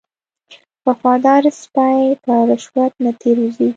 وفادار سپی په رشوت نه تیر وځي.